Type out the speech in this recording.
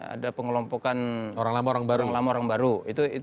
ada pengelompokan orang lama orang baru